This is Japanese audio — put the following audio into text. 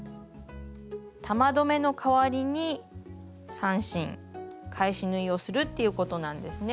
玉留めの代わりに３針返し縫いをするっていうことなんですね。